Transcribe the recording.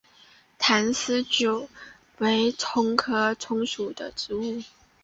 坛丝韭为葱科葱属的植物。